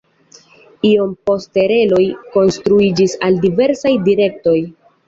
Iom poste reloj konstruiĝis al diversaj direktoj.